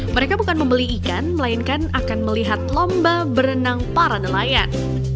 mereka bukan membeli ikan melainkan akan melihat lomba berenang para nelayan